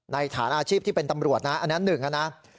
ในฐานอาชีพที่เป็นตำรวจนะครับอันนั้นหนึ่งนะครับ